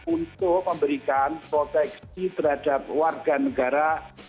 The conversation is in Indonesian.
untuk memberikan proteksi terhadap warga negara